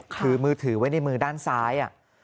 คือมือถือไว้ในมือด้านซ้าย